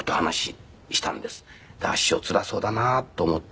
師匠つらそうだなと思って。